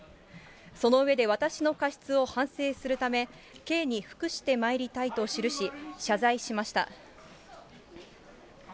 その上で、私の過失を反省するため、刑に服してまいりたいと記し、謝罪しました。